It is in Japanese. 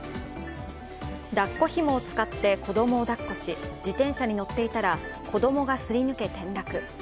抱っこひもを使って子供を抱っこし自転車に乗っていたら子どもがすり抜け転落。